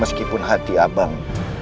meskipun hati abang